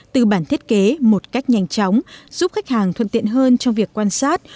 từ bản thiết kế một cách nhanh chóng giúp khách hàng thuận tiện hơn trong việc quan sát